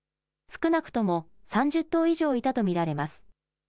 少なくとも３０頭以上いたと見られます。